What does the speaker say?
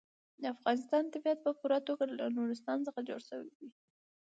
د افغانستان طبیعت په پوره توګه له نورستان څخه جوړ شوی دی.